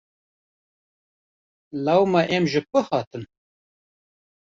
Law me em ji ku hatin?